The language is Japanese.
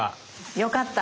よかった。